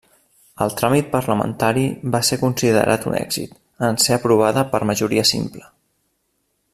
El tràmit parlamentari va ser considerat un èxit, en ser aprovada per majoria simple.